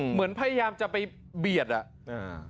เหมือนพยายามจะไปเบียดอ่ะอ่า